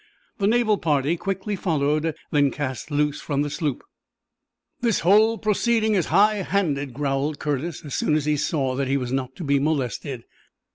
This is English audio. The naval party quickly followed, then cast loose from the sloop. "This whole proceeding is high handed," growled Curtis, as soon as he saw that he was not to be molested.